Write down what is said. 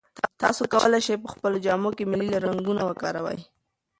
تاسي کولای شئ په خپلو جامو کې ملي رنګونه وکاروئ.